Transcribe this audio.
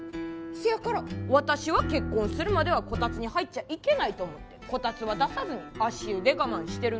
せやから私は結婚するまではこたつに入っちゃいけないと思ってこたつは出さずに足湯で我慢してるんです。